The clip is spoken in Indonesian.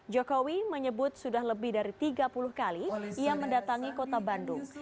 jokowi menyebut sudah lebih dari tiga puluh kali ia mendatangi kota bandung